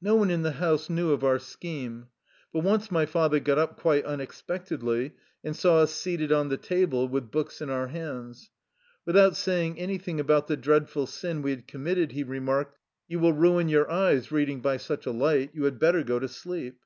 No one in the house knew of our scheme. But once my father got up quite unexpectedly and saw us seated on the table with books in our hands. Without saying anything about the dreadful sin we had commit ted, he remarked :" You will ruin your eyes reading by such a light. You had better go to sleep."